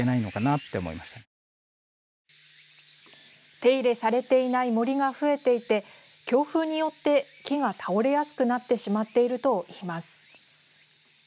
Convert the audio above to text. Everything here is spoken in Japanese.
手入れされていない森が増えていて強風によって、木が倒れやすくなってしまっているといいます。